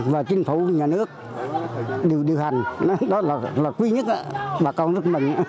và chính phủ nhà nước đều điều hành đó là quý nhất bà con rất mừng